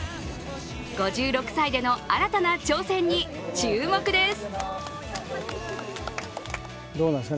５６歳での新たな挑戦に注目です。